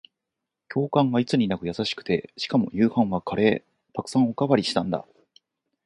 教官がいつになく優しくて、しかも夕飯はカレー。沢山おかわりしたんだ。